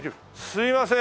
すいません。